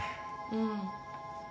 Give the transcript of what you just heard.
うん。